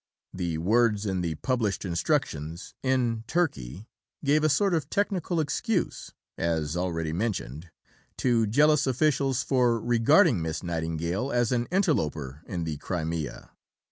The words in the published instructions "in Turkey" gave a sort of technical excuse (as already mentioned) to jealous officials for regarding Miss Nightingale as an interloper in the Crimea.